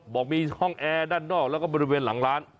บอกมีช่องแอร์ด้านนอกแล้วก็บริเวณหลังร้าน